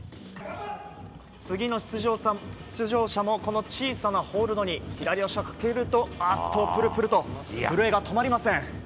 次の出場者もこの小さなホールドに左足をかけるとプルプルと震えが止まりません。